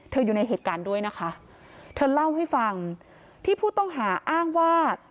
อยู่ในเหตุการณ์ด้วยนะคะเธอเล่าให้ฟังที่ผู้ต้องหาอ้างว่า